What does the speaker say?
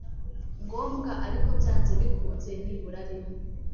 ngombwa ariko byanze bikunze nibura rimwe